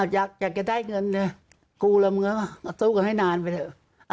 อยากจะได้เงินเลยกูละเมืองก็สู้กันให้นานไปเถอะ